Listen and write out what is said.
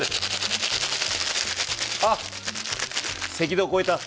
あっ赤道越えた。